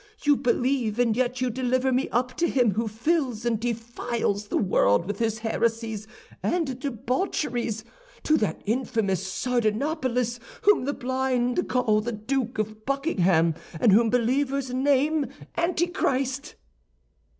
You believe, and yet you deliver me up to him who fills and defiles the world with his heresies and debaucheries—to that infamous Sardanapalus whom the blind call the Duke of Buckingham, and whom believers name Antichrist!"